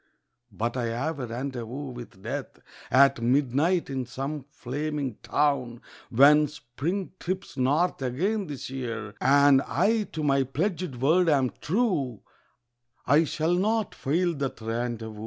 . But I've a rendezvous with Death At midnight in some flaming town, When Spring trips north again this year, And I to my pledged word am true, I shall not fail that rendezvous.